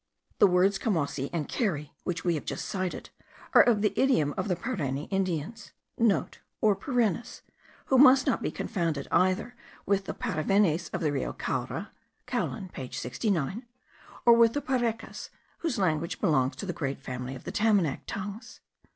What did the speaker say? The words camosi and keri, which we have just cited, are of the idiom of the Pareni Indians,* (* Or Parenas, who must not be confounded either with the Paravenes of the Rio Caura (Caulin page 69), or with the Parecas, whose language belongs to the great family of the Tamanac tongues.